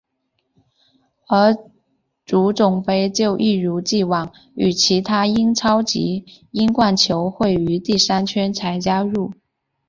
而足总杯就一如已往与其他英超及英冠球会于第三圈才加入。